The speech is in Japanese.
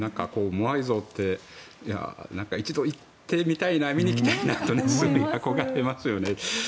モアイ像って一度、行ってみたいな見に行きたいなってすごい憧れますよね。